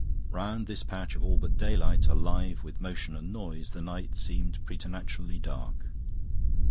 Round this patch of all but daylight, alive with motion and noise, the night seemed preternaturally dark.